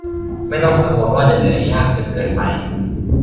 ไม่ต้องกังวลว่าจะเหนื่อยยากจนเกินไป